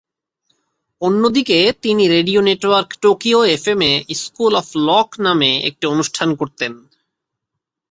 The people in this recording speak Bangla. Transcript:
অন্যদিকে তিনি রেডিও নেটওয়ার্ক টোকিও এফএম এ "স্কুল অফ লক" নামে একটি অনুষ্ঠান করতেন।